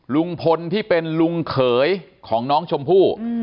ลุงพลที่เป็นลุงเขยของน้องชมพู่